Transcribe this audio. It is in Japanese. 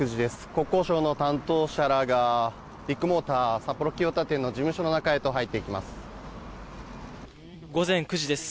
国交省の担当者らがビッグモーター札幌清田店の事務所の中へと入っていきます。